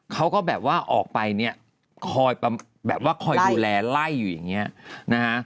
เขาก็แบบว่าออกไปเนี่ยคอยแบบว่าคอยดูแลไล่อยู่อย่างนี้นะฮะ